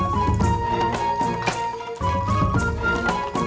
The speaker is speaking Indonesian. jadi kenapa nggak sere